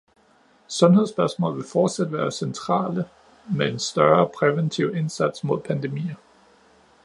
Sundhedsspørgsmål vil fortsat være centrale med en større præventiv indsats imod pandemier.